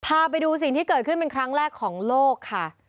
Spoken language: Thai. พาไปดูสิ่งที่เกิดขึ้นเป็นครั้งแรกของโลกค่ะ